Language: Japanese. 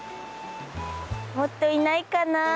もっといないかな。